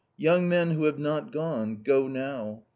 Young men who have not gone, go now!